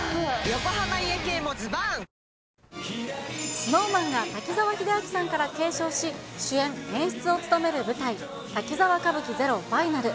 ＳｎｏｗＭａｎが滝沢秀明さんから継承し、主演・演出を務める舞台、滝沢歌舞伎ＺＥＲＯＦＩＮＡＬ。